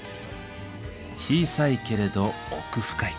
小さいけれど奥深い。